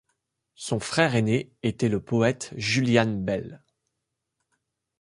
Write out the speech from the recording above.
Son frère aîné était le poète Julian Bell.